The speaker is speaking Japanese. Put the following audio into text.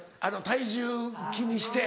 体重気にして。